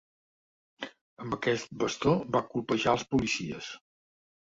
Amb aquest bastó va colpejar els policies.